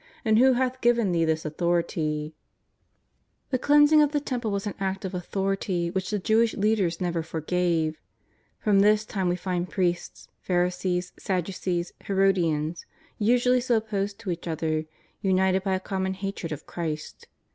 and who hath given Thee this authority ?" The cleansing of the Temple was an act of authority which the Jewish leaders never forgave. From this time we find priests, Pharisees, Sadducees, Herodians, usually so opposed to each other, united by a common hatred of Christ.